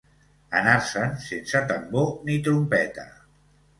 Anar-se'n sense tambor ni trompeta.